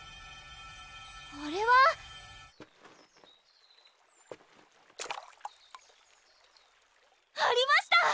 あれは？ありました！